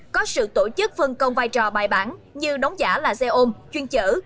có sự tổ chức phân công vai trò bài bản như đóng giả là xe ôm chuyên chở